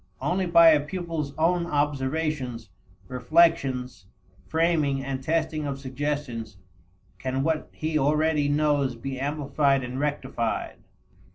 Only by a pupil's own observations, reflections, framing and testing of suggestions can what he already knows be amplified and rectified.